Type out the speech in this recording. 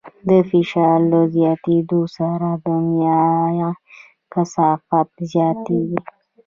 د فشار له زیاتېدو سره د مایع کثافت زیاتېږي.